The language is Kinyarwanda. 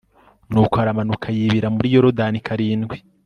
nuko aramanuka yibira muri yorodani karindwi